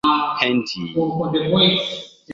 Henty.